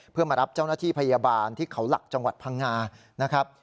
เพื่อมารับเจ้าหน้าที่พยาบาลที่เขาหลักจังหวัดพังงานะครับ